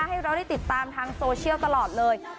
ให้เราได้ติดตามทางตลอดเลย